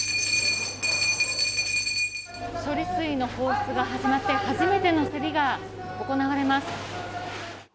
処理水の放出が始まって、初めての競りが行われます。